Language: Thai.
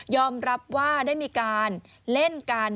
รับว่าได้มีการเล่นกัน